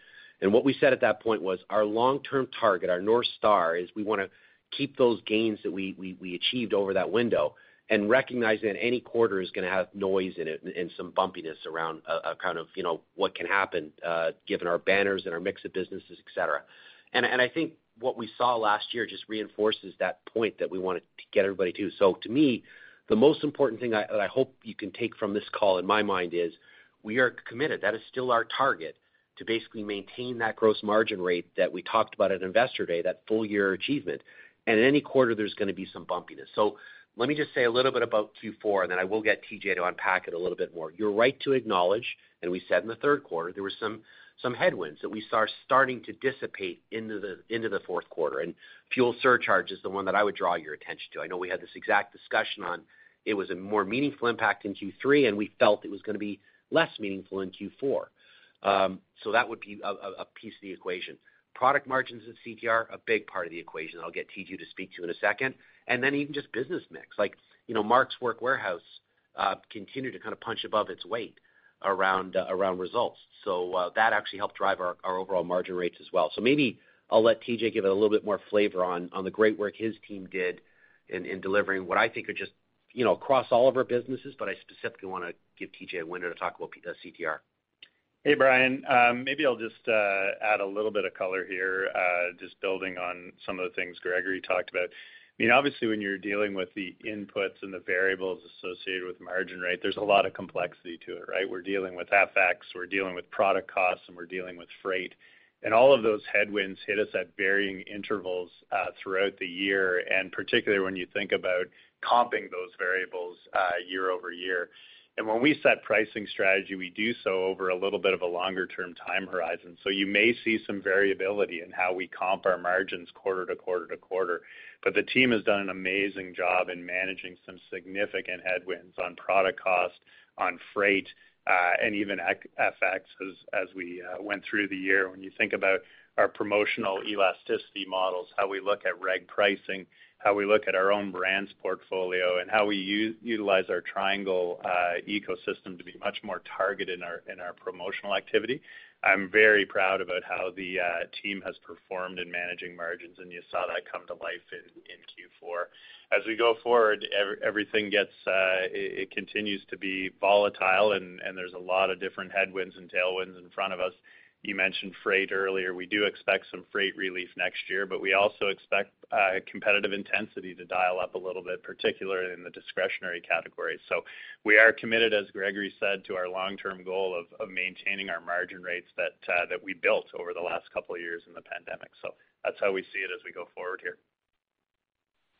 What we said at that point was our long-term target, our North Star, is we wanna keep those gains that we achieved over that window and recognize that any quarter is gonna have noise in it and some bumpiness around a kind of, you know, what can happen given our banners and our mix of businesses, et cetera. I think what we saw last year just reinforces that point that we wanted to get everybody to. To me, the most important thing that I hope you can take from this call in my mind is we are committed. That is still our target to basically maintain that gross margin rate that we talked about at Investor Day, that full year achievement. In any quarter, there's gonna be some bumpiness. Let me just say a little bit about Q4, and then I will get TJ to unpack it a little bit more. You're right to acknowledge, and we said in the third quarter, there were some headwinds that we saw starting to dissipate into the, into the fourth quarter. Fuel surcharge is the one that I would draw your attention to. I know we had this exact discussion on it was a more meaningful impact in Q3, and we felt it was gonna be less meaningful in Q4. That would be a piece of the equation. Product margins at CTR, a big part of the equation that I'll get TJ to speak to in a second. Even just business mix, like, you know, Mark's Work Wearhouse continued to kind of punch above its weight around results. That actually helped drive our overall margin rates as well. Maybe I'll let TJ give it a little bit more flavor on the great work his team did in delivering what I think are just, you know, across all of our businesses, but I specifically wanna give TJ a window to talk about the CTR. Hey, Brian. Maybe I'll just add a little bit of color here, just building on some of the things Gregory talked about. I mean, obviously, when you're dealing with the inputs and the variables associated with margin rate, there's a lot of complexity to it, right? We're dealing with FX, we're dealing with product costs, and we're dealing with freight. All of those headwinds hit us at varying intervals throughout the year, and particularly when you think about comping those variables year-over-year. When we set pricing strategy, we do so over a little bit of a longer term time horizon. You may see some variability in how we comp our margins quarter to quarter to quarter. The team has done an amazing job in managing some significant headwinds on product cost, on freight, and even e-FX as we went through the year. When you think about our promotional elasticity models, how we look at reg pricing, how we look at our own brands portfolio, and how we utilize our triangle ecosystem to be much more targeted in our promotional activity, I'm very proud about how the team has performed in managing margins, and you saw that come to life in Q4. As we go forward, everything gets, it continues to be volatile and there's a lot of different headwinds and tailwinds in front of us. You mentioned freight earlier. We do expect some freight relief next year, we also expect competitive intensity to dial up a little bit, particularly in the discretionary category. We are committed, as Gregory said, to our long-term goal of maintaining our margin rates that we built over the last couple of years in the pandemic. That's how we see it as we go forward here.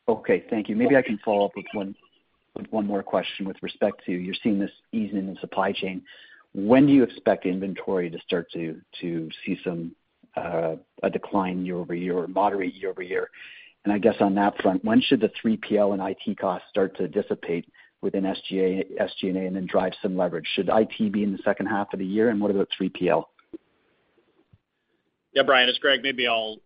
Okay. Thank you. Maybe I can follow up with one more question with respect to you're seeing this easing in supply chain. When do you expect inventory to start to see some a decline year-over-year or moderate year-over-year? I guess on that front, when should the 3PL and IT costs start to dissipate within SG&A and then drive some leverage? Should IT be in the second half of the year, what about 3PL? Yeah, Brian, it's Greg. Maybe I'll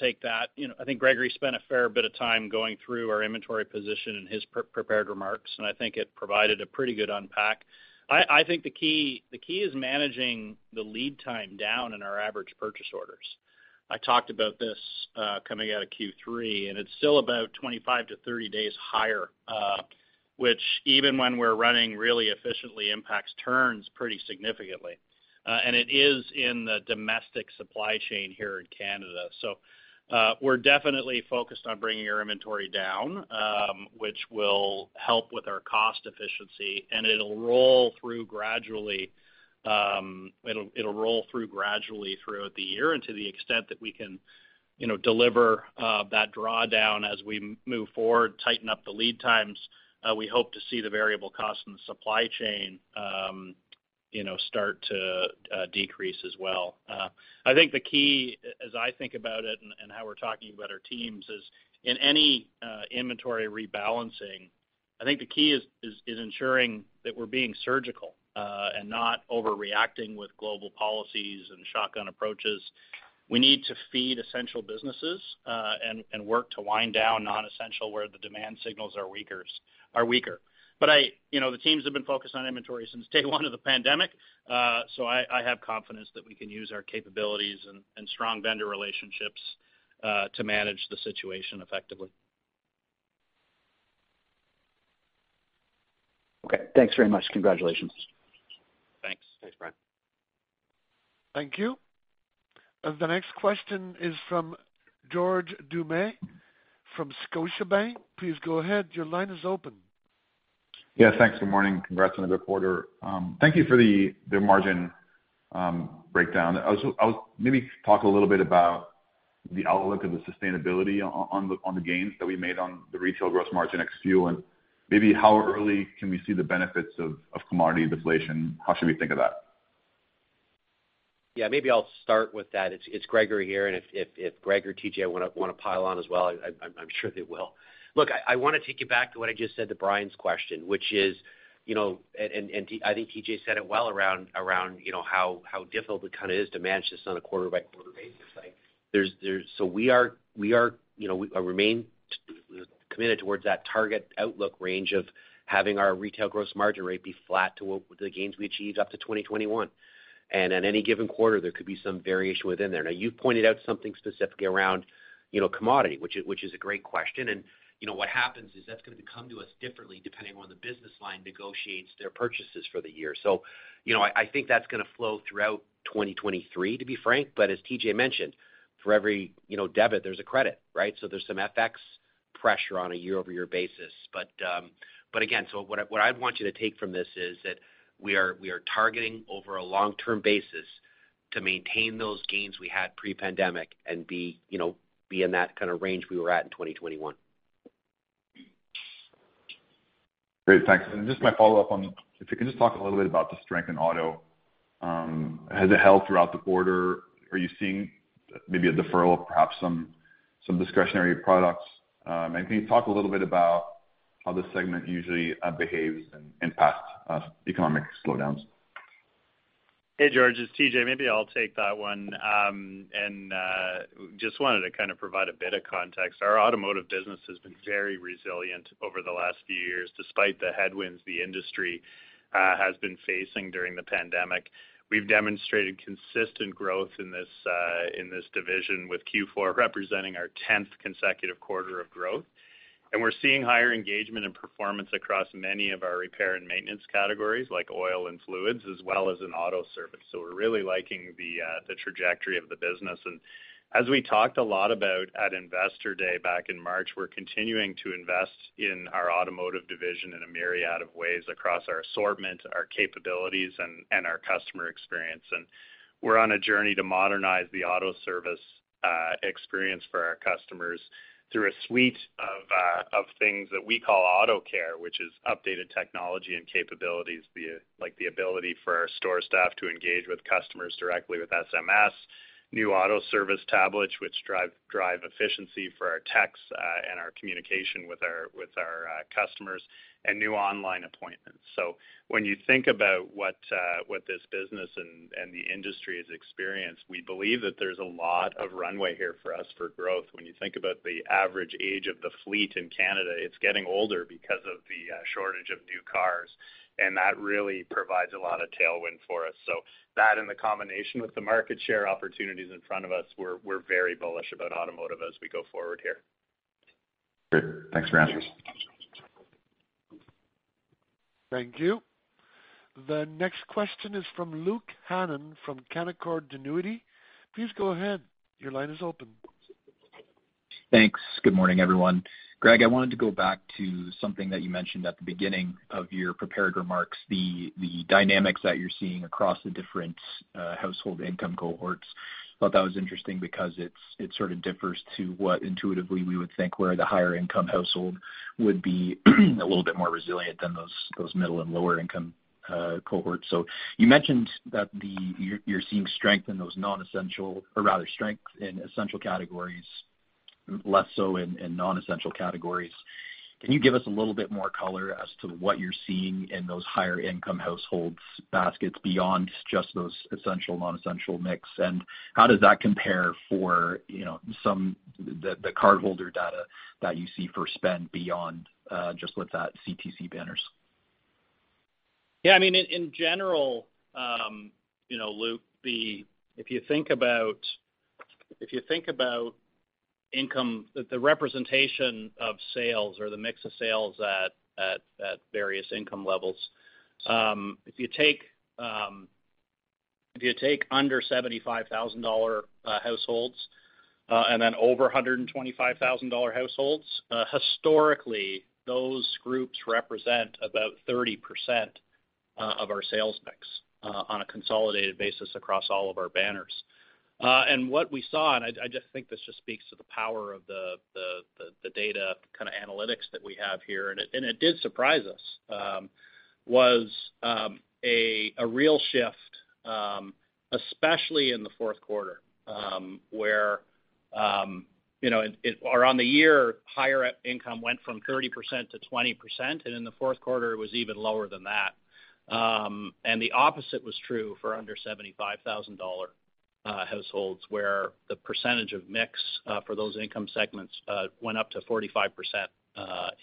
take that. You know, I think Gregory spent a fair bit of time going through our inventory position in his prepared remarks, and I think it provided a pretty good unpack. I think the key is managing the lead time down in our average purchase orders. I talked about this coming out of Q3, and it's still about 25-30 days higher, which even when we're running really efficiently impacts turns pretty significantly. It is in the domestic supply chain here in Canada. We're definitely focused on bringing our inventory down, which will help with our cost efficiency, and it'll roll through gradually throughout the year. To the extent that we can, you know, deliver that drawdown as we move forward, tighten up the lead times, we hope to see the variable cost in the supply chain, you know, start to decrease as well. I think the key, as I think about it and how we're talking about our teams is in any inventory rebalancing, I think the key is ensuring that we're being surgical and not overreacting with global policies and shotgun approaches. We need to feed essential businesses and work to wind down non-essential where the demand signals are weaker. You know, the teams have been focused on inventory since day one of the pandemic. I have confidence that we can use our capabilities and strong vendor relationships to manage the situation effectively. Okay, thanks very much. Congratulations. Thanks. Thanks, Brian. Thank you. The next question is from George Doumet from Scotiabank. Please go ahead. Your line is open. Yeah, thanks. Good morning. Congrats on a good quarter. Thank you for the margin breakdown. Maybe talk a little bit about the outlook of the sustainability on the gains that we made on the retail gross margin next few, and maybe how early can we see the benefits of commodity deflation? How should we think of that? Yeah, maybe I'll start with that. It's Gregory here, and if Greg or TJ wanna pile on as well, I'm sure they will. Look, I wanna take you back to what I just said to Brian's question, which is, you know, and I think TJ said it well around, you know, how difficult it kinda is to manage this on a quarter-by-quarter basis. Like, there's. We are, you know, we remain committed towards that target outlook range of having our retail gross margin rate be flat to what were the gains we achieved up to 2021. At any given quarter, there could be some variation within there. Now, you've pointed out something specifically around, you know, commodity, which is a great question. You know, what happens is that's gonna come to us differently depending on the business line negotiates their purchases for the year. You know, I think that's gonna flow throughout 2023, to be frank. As TJ mentioned, for every, you know, debit, there's a credit, right? There's some FX pressure on a year-over-year basis. Again, what I, what I'd want you to take from this is that we are, we are targeting over a long-term basis to maintain those gains we had pre-pandemic and be, you know, be in that kind of range we were at in 2021. Great. Thanks. Just my follow-up on: If you could just talk a little bit about the strength in auto. Has it held throughout the quarter? Are you seeing maybe a deferral of perhaps some discretionary products? Can you talk a little bit about how this segment usually behaves in past economic slowdowns? Hey, George. It's TJ. Maybe I'll take that one. Just wanted to kind of provide a bit of context. Our automotive business has been very resilient over the last few years, despite the headwinds the industry has been facing during the pandemic. We've demonstrated consistent growth in this in this division, with Q4 representing our 10th consecutive quarter of growth. We're seeing higher engagement and performance across many of our repair and maintenance categories, like oil and fluids, as well as in auto service. We're really liking the trajectory of the business. As we talked a lot about at Investor Day back in March, we're continuing to invest in our automotive division in a myriad of ways across our assortment, our capabilities, and our customer experience. We're on a journey to modernize the auto service experience for our customers through a suite of things that we call Auto Care, which is updated technology and capabilities, like the ability for our store staff to engage with customers directly with SMS, new auto service tablets which drive efficiency for our techs and our communication with our customers, and new online appointments. When you think about what this business and the industry has experienced, we believe that there's a lot of runway here for us for growth. When you think about the average age of the fleet in Canada, it's getting older because of the shortage of new cars, and that really provides a lot of tailwind for us. That and the combination with the market share opportunities in front of us, we're very bullish about automotive as we go forward here. Great. Thanks for your answers. Thank you. The next question is from Luke Hannan from Canaccord Genuity. Please go ahead. Your line is open. Thanks. Good morning, everyone. Greg, I wanted to go back to something that you mentioned at the beginning of your prepared remarks, the dynamics that you're seeing across the different household income cohorts. Thought that was interesting because it sort of differs to what intuitively we would think, where the higher income household would be a little bit more resilient than those middle and lower income cohorts. You mentioned that you're seeing strength in those non-essential, or rather strength in essential categories, less so in non-essential categories. Can you give us a little bit more color as to what you're seeing in those higher income households' baskets beyond just those essential/non-essential mix? How does that compare for, you know, the cardholder data that you see for spend beyond just with that CTC banners? Yeah, I mean, in general, you know, Luke, if you think about income, the representation of sales or the mix of sales at various income levels, if you take under 75,000 dollar households, and then over 125,000 dollar households, historically, those groups represent about 30% of our sales mix on a consolidated basis across all of our banners. What we saw, and I just think this just speaks to the power of the data kind of analytics that we have here, and it did surprise us, was a real shift, especially in the fourth quarter, where, you know. On the year, higher income went from 30% to 20%, in the fourth quarter, it was even lower than that. The opposite was true for under 75,000 dollar households, where the percentage of mix for those income segments went up to 45%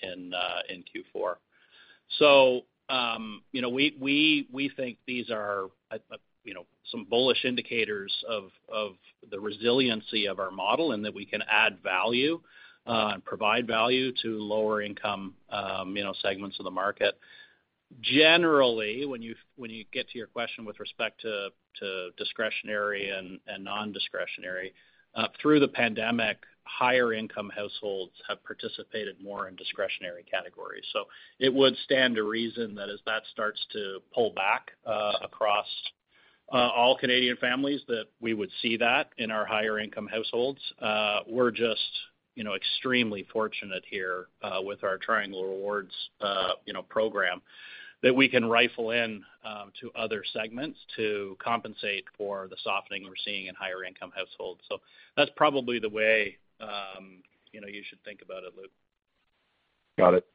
in Q4. You know, we think these are, you know, some bullish indicators of the resiliency of our model and that we can add value and provide value to lower income, you know, segments of the market. Generally, when you get to your question with respect to discretionary and non-discretionary, through the pandemic, higher income households have participated more in discretionary categories. It would stand to reason that as that starts to pull back across all Canadian families, that we would see that in our higher income households. We're just, you know, extremely fortunate here with our Triangle Rewards, you know, program that we can rifle in to other segments to compensate for the softening we're seeing in higher income households. That's probably the way, you know, you should think about it, Luke. Got it.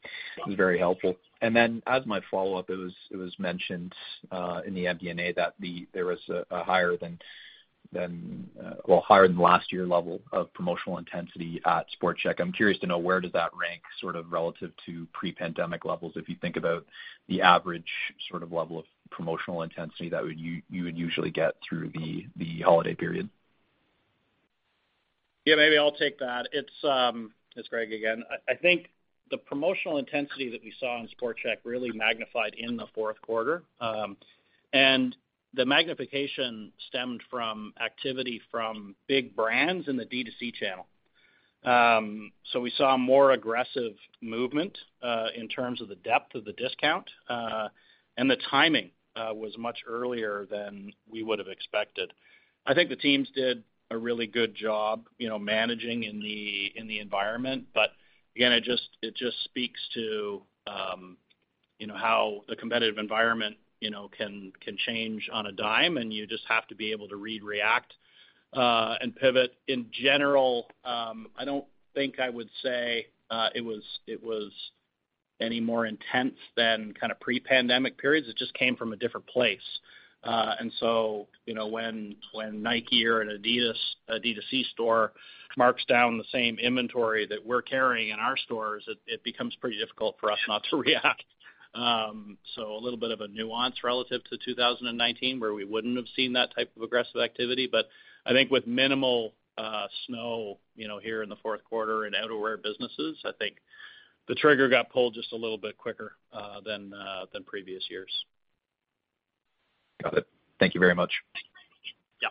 Very helpful. As my follow-up, it was mentioned in the MD&A that there was a higher than last year level of promotional intensity at Sport Chek. I'm curious to know where does that rank sort of relative to pre-pandemic levels if you think about the average sort of level of promotional intensity that you would usually get through the holiday period? Maybe I'll take that. It's Greg again. I think the promotional intensity that we saw in Sport Chek really magnified in the fourth quarter. The magnification stemmed from activity from big brands in the D2C channel. We saw more aggressive movement in terms of the depth of the discount, and the timing was much earlier than we would have expected. I think the teams did a really good job, you know, managing in the environment. Again, it just speaks to, you know, how the competitive environment, you know, can change on a dime, and you just have to be able to read, react, and pivot. In general, I don't think I would say it was any more intense than kind of pre-pandemic periods. It just came from a different place. You know, when Nike or an adidas D2C store marks down the same inventory that we're carrying in our stores, it becomes pretty difficult for us not to react. A little bit of a nuance relative to 2019 where we wouldn't have seen that type of aggressive activity. I think with minimal snow, you know, here in the fourth quarter in outerwear businesses, I think the trigger got pulled just a little bit quicker than previous years. Got it. Thank you very much. Yeah.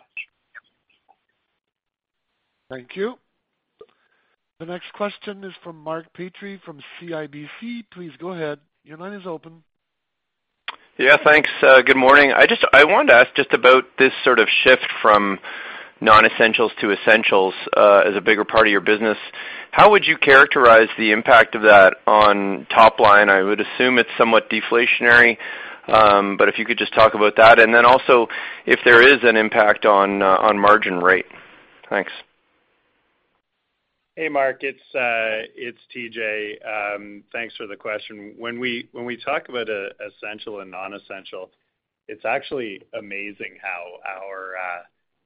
Thank you. The next question is from Mark Petrie from CIBC. Please go ahead. Your line is open. Thanks. Good morning. I wanted to ask just about this sort of shift from non-essentials to essentials as a bigger part of your business. How would you characterize the impact of that on top line? I would assume it's somewhat deflationary, but if you could just talk about that, and then also if there is an impact on margin rate. Thanks. Hey, Mark. It's TJ. Thanks for the question. When we talk about essential and non-essential, it's actually amazing how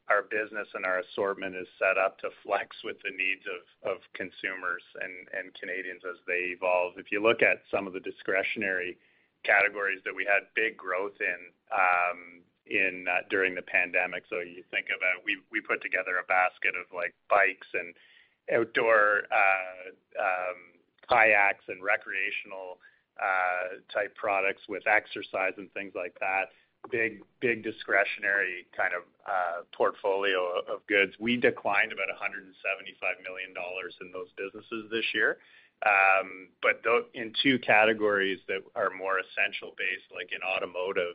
our business and our assortment is set up to flex with the needs of consumers and Canadians as they evolve. If you look at some of the discretionary categories that we had big growth in during the pandemic, so you think about we put together a basket of like bikes and outdoor kayaks and recreational type products with exercise and things like that, big discretionary kind of portfolio of goods. We declined about $175 million in those businesses this year. In two categories that are more essential based, like in automotive,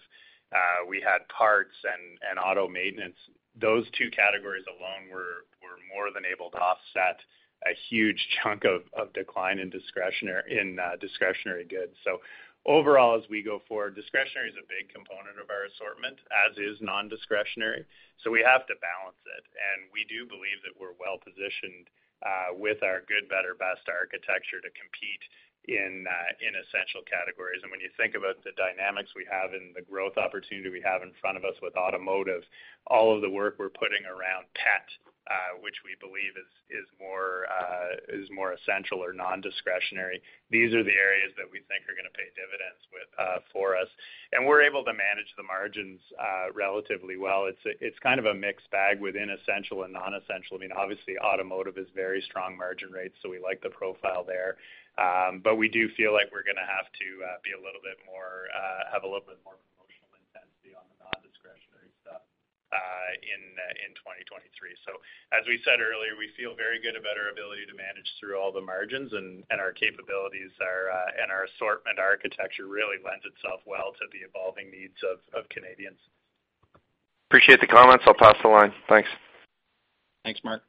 we had parts and auto maintenance. Those two categories alone were more than able to offset a huge chunk of decline in discretionary goods. Overall, as we go forward, discretionary is a big component of our assortment, as is non-discretionary, so we have to balance it. We do believe that we're well-positioned with our good, better, best architecture to compete in essential categories. When you think about the dynamics we have and the growth opportunity we have in front of us with automotive, all of the work we're putting around pet, which we believe is more essential or non-discretionary, these are the areas that we think are gonna pay dividends for us. We're able to manage the margins relatively well. It's kind of a mixed bag within essential and non-essential. I mean, obviously automotive is very strong margin rates, so we like the profile there. But we do feel like we're gonna have to be a little bit more, have a little bit more promotional intensity on the non-discretionary stuff in 2023. As we said earlier, we feel very good about our ability to manage through all the margins and our capabilities, our and our assortment architecture really lends itself well to the evolving needs of Canadians. Appreciate the comments. I'll pass the line. Thanks. Thanks, Mark.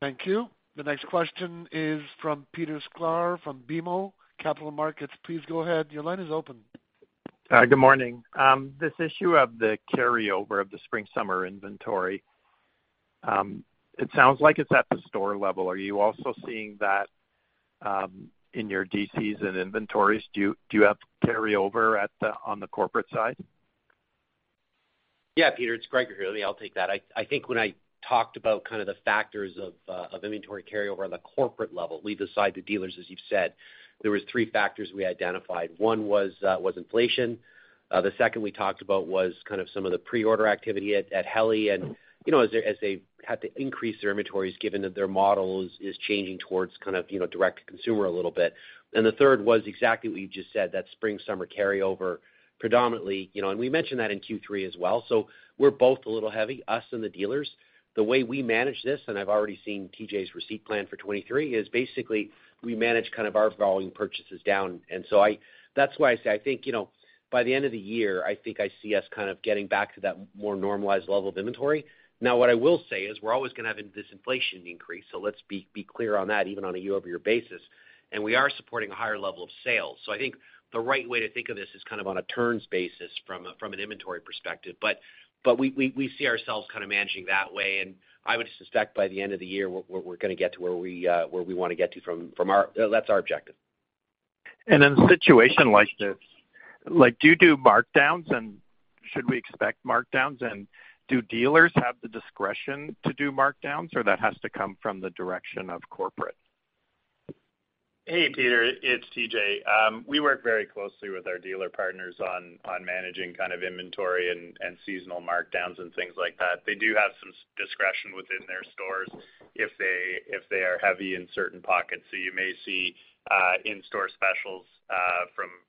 Thank you. The next question is from Peter Sklar from BMO Capital Markets. Please go ahead. Your line is open. Good morning. This issue of the carryover of the spring/summer inventory, it sounds like it's at the store level. Are you also seeing that in your DCs and inventories? Do you have carryover on the corporate side? Yeah, Peter, it's Gregory here. I'll take that. I think when I talked about kind of the factors of inventory carryover on the corporate level, leave aside the dealers, as you've said, there was three factors we identified. One was inflation. The second we talked about was kind of some of the pre-order activity at Helly. You know, as they had to increase their inventories, given that their model is changing towards kind of, you know, direct to consumer a little bit. The third was exactly what you just said, that spring/summer carryover predominantly, you know, and we mentioned that in Q3 as well. We're both a little heavy, us and the dealers. The way we manage this, and I've already seen TJ's receipt plan for 2023, is basically we manage kind of our volume purchases down. That's why I say I think, you know, by the end of the year, I think I see us kind of getting back to that more normalized level of inventory. Now, what I will say is we're always gonna have this inflation increase, so let's be clear on that, even on a year-over-year basis, and we are supporting a higher level of sales. I think the right way to think of this is kind of on a turns basis from an inventory perspective. We see ourselves kind of managing that way, and I would suspect by the end of the year, we're gonna get to where we wanna get to from our... That's our objective. In a situation like this, like, do you do markdowns, and should we expect markdowns? Do dealers have the discretion to do markdowns, or that has to come from the direction of corporate? Hey, Peter, it's TJ. We work very closely with our dealer partners on managing kind of inventory and seasonal markdowns and things like that. They do have some discretion within their stores if they are heavy in certain pockets. You may see in-store specials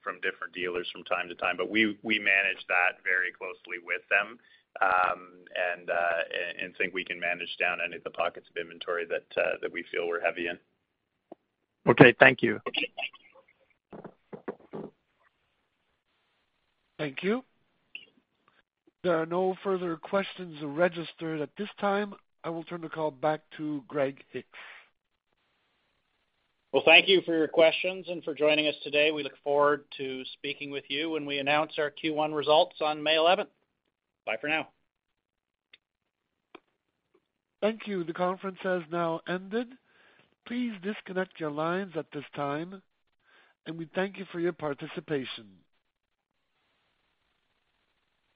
from different dealers from time to time. We manage that very closely with them and think we can manage down any of the pockets of inventory that we feel we're heavy in. Okay, thank you. Thank you. There are no further questions registered at this time. I will turn the call back to Greg Hicks. Well, thank you for your questions and for joining us today. We look forward to speaking with you when we announce our Q1 results on May eleventh. Bye for now. Thank you. The conference has now ended. Please disconnect your lines at this time, and we thank you for your participation.